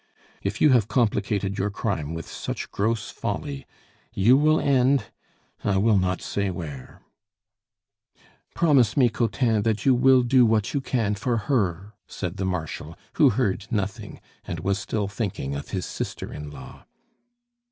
If you have complicated your crime with such gross folly, you will end I will not say where " "Promise me, Cottin, that you will do what you can for her," said the Marshal, who heard nothing, and was still thinking of his sister in law.